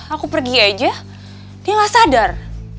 aku pergi aja dia gak sadar